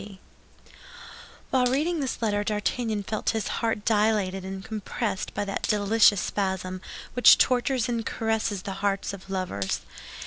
—C.B." While reading this letter, D'Artagnan felt his heart dilated and compressed by that delicious spasm which tortures and caresses the hearts of lovers.